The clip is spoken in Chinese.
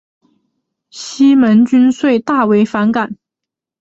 西门君遂大为反感。